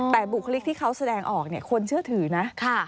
แต่บุคลิกที่เขาแสดงออกคนเชื่อถือนะ